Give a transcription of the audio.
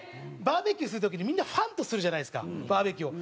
バーベキューする時にみんなファンとするじゃないですかバーベキューを。